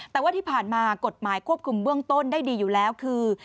แต่ว่าที่ผ่านมากฎหมายควบคุมเบื้องต้นได้ดีอยู่แล้วคือ